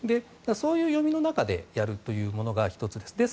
そういう読みの中でやるというのが１つです。